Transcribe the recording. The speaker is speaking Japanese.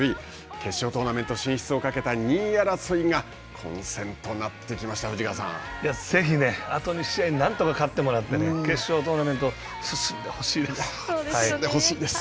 決勝トーナメント進出をかけた２位争いがぜひ、あと２試合、なんとか勝ってもらって、決勝トーナメントに進んでほしいです。